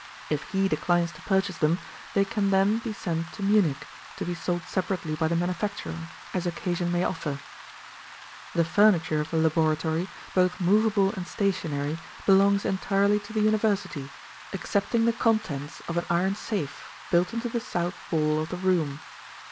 If he declines to purchase them, they can then be sent to Munich, to be sold separately by the manufacturer, as occasion may offer. The furniture of the laboratory, both movable and stationary, belongs entirely to the University, excepting the contents of an iron safe built into the south wall of the room.